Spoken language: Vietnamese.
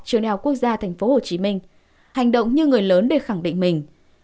vào quốc gia tp hcm hành động như người lớn để khẳng định mình